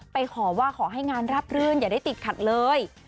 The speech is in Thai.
ขอว่าขอให้งานราบรื่นอย่าได้ติดขัดเลย